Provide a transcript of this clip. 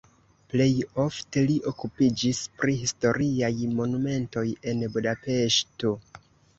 Plej ofte li okupiĝis pri historiaj monumentoj en Budapeŝto.